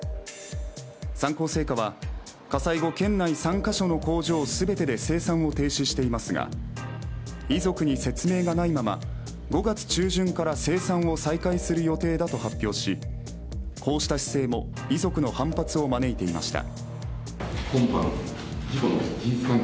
三幸製菓は火災後、県内３カ所の工場全てで生産を停止していますが遺族に説明がないまま５月中旬から生産を再開する予定だと発表しこうした姿勢も遺族の反発を招いていました。